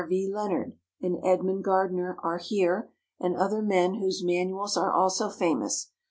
V. Leonard and Edmund Gardner are here, and other men whose manuals are also famous.